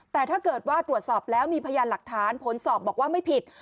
แต่ถ้าเกิดว่าตรวจสอบแล้วมีพยานหลักฐานผลสอบบอกว่าไม่ผิด